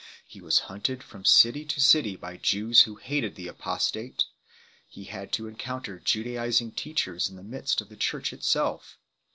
He was hunted from city to city by Jews who hated the apostate ; he had to encounter Judaizing teachers in the midst of the Church itself.